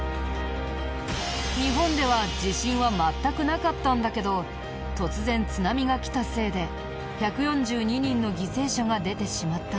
日本では地震は全くなかったんだけど突然津波が来たせいで１４２人の犠牲者が出てしまったんだ。